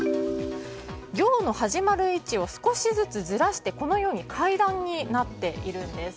行の始まる位置を少しずつ、ずらして階段になっているんです。